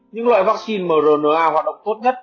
những loại vắc xin mrna hoạt động tốt nhất